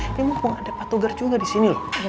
ini mumpung ada patugar juga disini loh